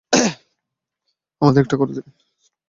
আমাদের একটা করে দিবেন?